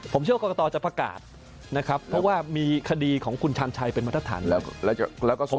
ผมเชื่อกอกกะตอจะประกาศนะครับเพราะว่ามีคดีของคุณชาญชัยเป็นมันทัศน